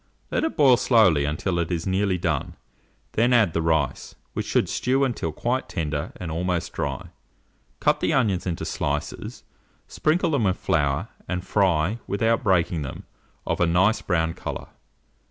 Let it boil slowly until it is nearly done; then add the rice, which should stew until quite tender and almost dry; cut the onions into slices, sprinkle them with flour, and fry, without breaking them, of a nice brown colour.